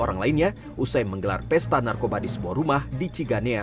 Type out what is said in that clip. orang lainnya usai menggelar pesta narkoba di sebuah rumah di ciganea